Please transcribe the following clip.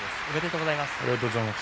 ありがとうございます。